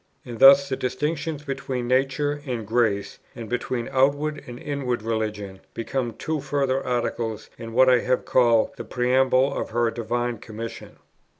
And thus the distinctions between nature and grace, and between outward and inward religion, become two further articles in what I have called the preamble of her divine commission.